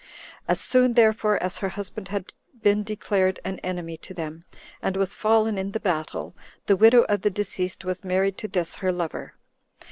As soon therefore as her husband had been declared an enemy to them, and was fallen in the battle, the widow of the deceased was married to this her lover.